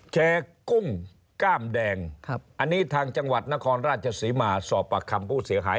แชร์กุ้งกล้ามแดงอันนี้ทางจังหวัดนครราชศรีมาสอบปากคำผู้เสียหาย